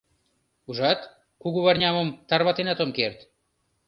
Ужат, кугуварнямым тарватенат ом керт.